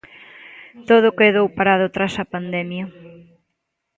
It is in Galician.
Todo quedou parado tras a pandemia.